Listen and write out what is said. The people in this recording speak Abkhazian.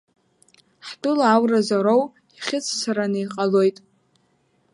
Ҳтәыла ауразоуроу ихьыҵәцараны иҟалоит.